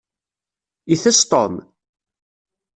Itess Tom?